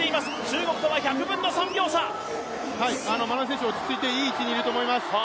眞野選手、落ち着いて、今いい位置にいると思います。